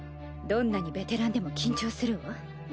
どんなにベテランでも緊張するわ。